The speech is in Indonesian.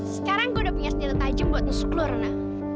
sekarang gue udah punya senjata tajam buat nusuk lu rena